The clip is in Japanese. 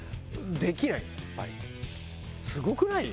すごくない？